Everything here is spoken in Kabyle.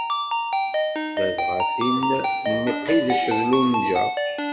Ladɣa tin n Mqidec d lunja.